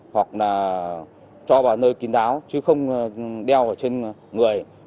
hoặc là cho vào nơi kín đáo chứ không đeo ở trên người